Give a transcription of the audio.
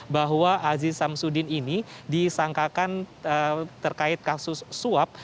bahwa aziz samsudin ini disangkakan terkait kasus suap